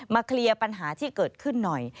เคลียร์ปัญหาที่เกิดขึ้นหน่อย